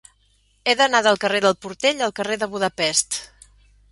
He d'anar del carrer del Portell al carrer de Budapest.